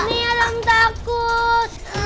mi ada yang takut